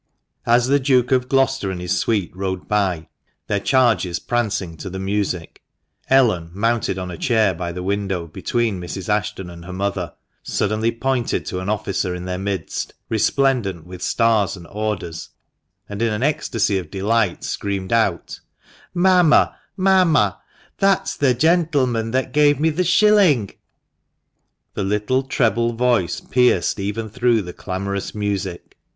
As the Duke of Gloucester and his suite rode by, their charges prancing to the music, Ellen, mounted on a chair by the window, between Mrs. Ashton and her mother, suddenly pointed to an officer in their midst, resplendent with stars and orders, and in an ecstasy of delight screamed out —" Mamma, mamma! that's the gentleman that gave me the shilling!" The little treble voice pierced even through the clamorous music.